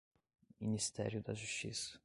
Ministério da Justiça